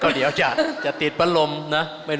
ดีครับ